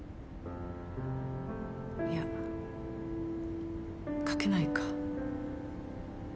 いや書けないか。